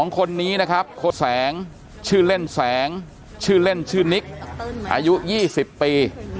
๒คนนี้นะครับโคแสงชื่อเล่นแสงชื่อเล่นชื่อนิกอายุ๒๐ปี